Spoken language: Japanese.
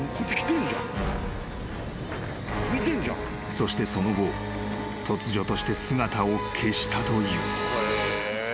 ［そしてその後突如として姿を消したという］